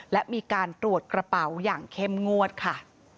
และมีการตรวจกระเป๋าอย่างเข้มงวดค่ะ